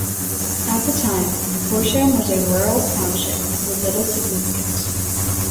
At the time, Horsham was a rural township with little significance.